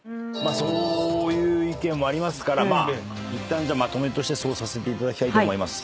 そういう意見もありますからいったんまとめとしてそうさせていただきたいと。